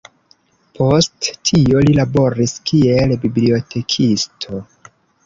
Post tio li laboris kiel bibliotekisto.